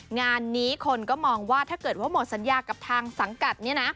งานนี้คนก็มองว่าถ้าเกิดว่าหมดสัญญากับทางสังกัดเนี่ยนะ